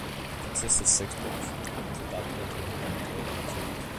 It consists of six books, and was adapted into an anime television series.